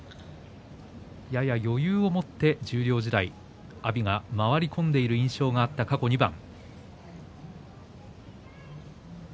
やや余裕を持って、十両時代阿炎が回り込んでいる印象があった過去２番。